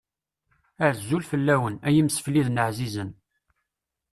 Azul fell-awen, ay imesfliden εzizen.